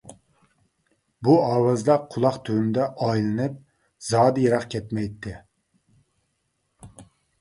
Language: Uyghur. بۇ ئاۋازلار قۇلاق تۈۋىمدە ئايلىنىپ زادى يىراق كەتمەيتتى.